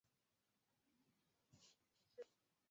幸福是一种持续时间较长的心灵的满足。